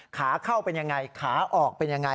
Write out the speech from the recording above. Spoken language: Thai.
ขาเข้าเป็นยังไงขาออกเป็นยังไง